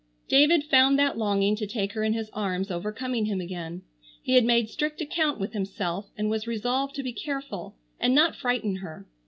David found that longing to take her in his arms overcoming him again. He had made strict account with himself and was resolved to be careful and not frighten her.